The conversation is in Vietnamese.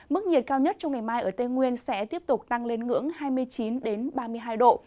mức nhiệt cao nhất trong ngày mai ở tây nguyên sẽ tiếp tục tăng lên ngưỡng hai mươi chín ba mươi hai độ